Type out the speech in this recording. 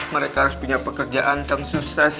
mereka harus punya pekerjaan yang sukses